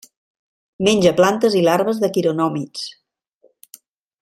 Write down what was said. Menja plantes i larves de quironòmids.